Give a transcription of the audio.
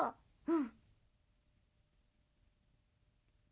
うん。